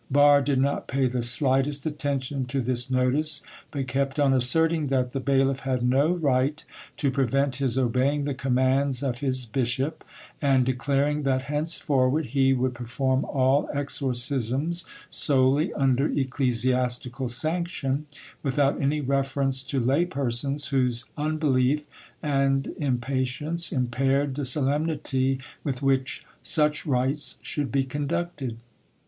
Barre did not pay the slightest attention to this notice, but kept on asserting that the bailiff had no right to prevent his obeying the commands of his bishop, and declaring that henceforward he would perform all exorcisms solely under ecclesiastical sanction, without any reference to lay persons, whose unbelief and impatience impaired the solemnity with which such rites should be conducted.